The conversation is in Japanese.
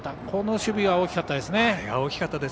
この守備は大きかったですね。